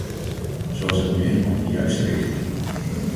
Zo is dat nu eenmaal de juiste richting.